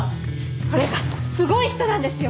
それがすごい人なんですよ！